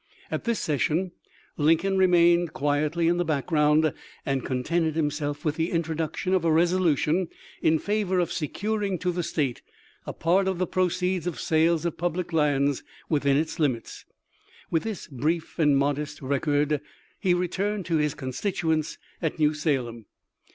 At this session Lincoln remained quietly in the background, and contented himself with the intro duction of a resolution in favor of securing to the State a part of the proceeds of sales of public lands within its limits. With this brief and modest rec ord he returned to his constituents at New Salem.